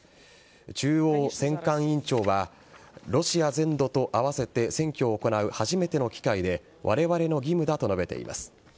中央選管委員長はロシア全土と合わせて選挙を行う初めての機会でわれわれの義務だと述べています。